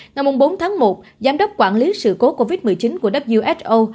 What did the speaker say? ngày bốn tháng một giám đốc quản lý sự cố covid một mươi chín của who